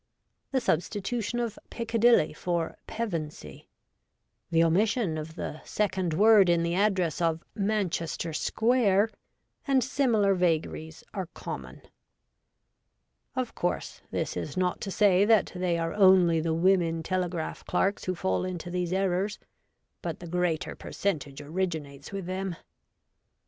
The substitution of ' Piccadilly ' for ' Pevensey '; the omission of the second word in the address of ' Manchester Square,' and similar vagaries are common. Of course this is not to say that they are only the women telegraph clerks who fall into these errors, but the greater percentage originates with them.